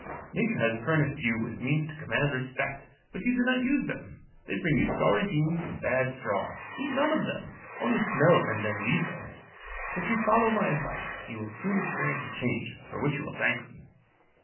Nature has furnished you with means to command respect; but you do not use them. They bring you sorry beans and bad straw; eat none of them, only smell and then leave them. If you follow my advice, you will soon experience a change, for which you will thank me."